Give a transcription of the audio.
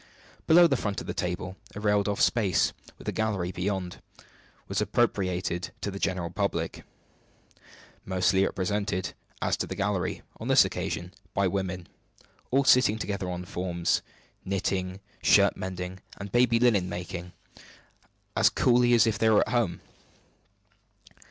Below the front of the table, a railed off space, with a gallery beyond, was appropriated to the general public mostly represented, as to the gallery, on this occasion, by women, all sitting together on forms, knitting, shirt mending, and baby linen making, as coolly as if they were at home.